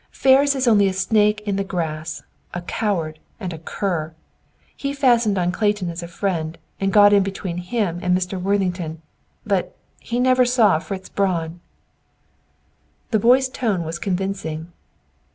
Ferris is only a snake in the grass, a coward, and a cur! He fastened on Clayton as a friend, and got in between him and Mr. Worthington; but, he never saw Fritz Braun!" The boy's tone was convincing.